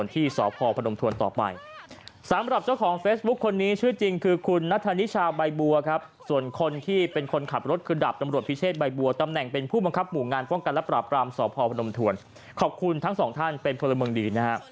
ตำรวจพิเชษใบบัวตำแหน่งเป็นผู้บังคับหมู่งานฟ่องกันและปราบรามสพธวรรณขอบคุณทั้งสองท่านเป็นคนละเมืองดีนะฮะ